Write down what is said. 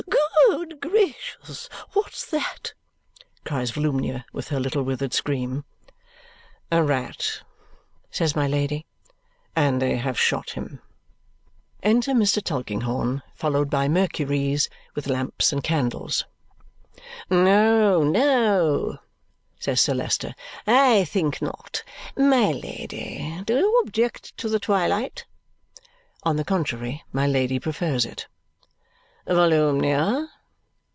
"Good gracious, what's that?" cries Volumnia with her little withered scream. "A rat," says my Lady. "And they have shot him." Enter Mr. Tulkinghorn, followed by Mercuries with lamps and candles. "No, no," says Sir Leicester, "I think not. My Lady, do you object to the twilight?" On the contrary, my Lady prefers it. "Volumnia?"